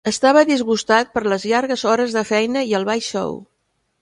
Estava disgustat per les llargues hores de feina i el baix sou.